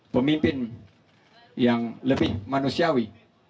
pemimpin yang lebih manusiawi